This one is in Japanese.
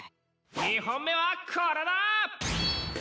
２本目はこれだ！